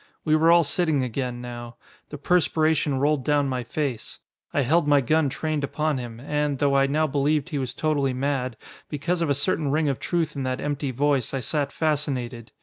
We were all sitting again now. The perspiration rolled down my face. I held my gun trained upon him, and, though I now believed he was totally mad, because of a certain ring of truth in that empty voice, I sat fascinated.